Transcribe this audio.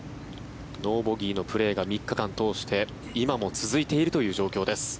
ノーボギーのプレーが３日間通して今も続いているという状況です。